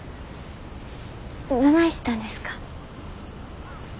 どないしたんですか？